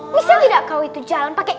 bisa tidak kamu itu jalan pakai mata